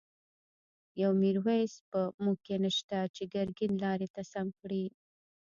يو” ميرويس ” په موږکی نشته، چی ګر ګين لاری ته سم کړی